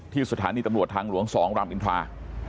ที่สถานีตำรวจทางหลวงสองลำอินทรา